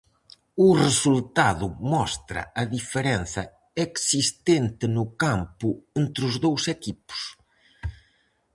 O resultado mostra a diferenza existente no campo entre os dous equipos.